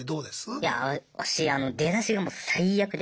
いや私あの出だしがもう最悪で。